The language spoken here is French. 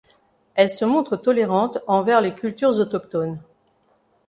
Elle se montre tolérante envers les cultures autochtones.